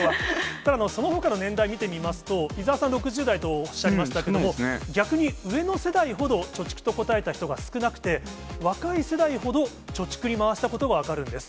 ただそのほかの年代見てみますと、伊沢さん、６０代とおっしゃいましたけど、逆に上の世代ほど貯蓄と答えた人が少なくて、若い世代ほど、貯蓄に回したことが分かるんです。